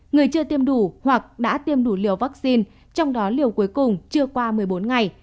người chưa tiêm đủ hoặc đã tiêm đủ liều vaccine trong đó liều cuối cùng chưa qua một mươi bốn ngày